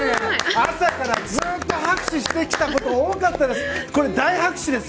朝からずっと拍手してきたこと多かったです！